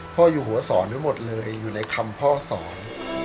อยู่หัวสอนทั้งหมดเลยอยู่ในคำพ่อสอน